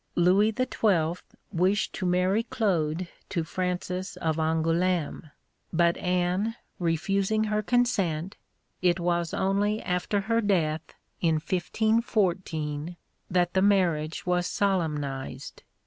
Louis XII. wished to marry Claude to Francis of Angoulême, but Anne refusing her consent, it was only after her death, in 1514, that the marriage was solemnised.